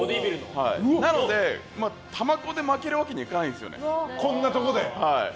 なので玉こんで負けるわけにはいかないですよね。